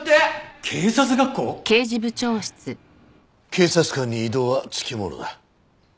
警察官に異動は付きものだ。